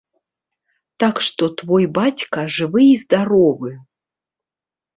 Так што твой бацька жывы і здаровы.